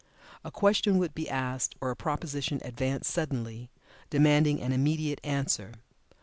A question would be asked, or a proposition advanced suddenly, demanding an immediate answer.